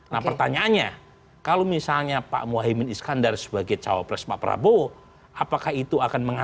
nah pertanyaannya kalau misalnya pak mohaiman iskandar sebagai cawa pres pak prabowo apakah itu